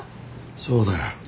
そうだよ。